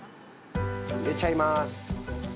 入れちゃいます。